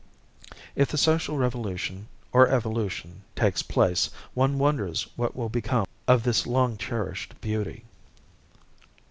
If the social revolution, or evolution, takes place, one wonders what will become of this long cherished beauty.